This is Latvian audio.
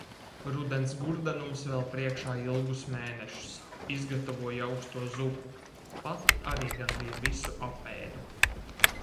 Rudens gurdenums vēl priekšā ilgus mēnešus. Izgatavoju auksto zupu, pati arī gandrīz visu apēdu.